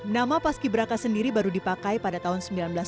nama paski braka sendiri baru dipakai pada tahun seribu sembilan ratus sembilan puluh